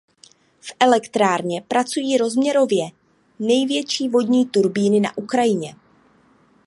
V elektrárně pracují rozměrově největší vodní turbíny na Ukrajině.